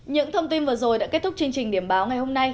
những thông tin vừa rồi đã kết thúc chương trình điểm báo ngày hôm nay